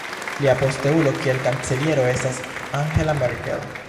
Lia posteulo kiel kanceliero estas Angela Merkel.